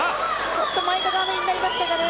ちょっと前かがみになりましたかね。